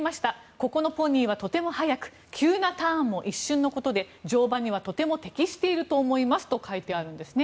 ここのポニーはとても速く急なターンも一瞬のことで乗馬にはとても適していると思いますと書いてあるんですね。